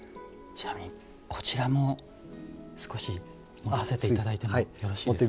ちなみにこちらも少し持たせて頂いてもよろしいですか？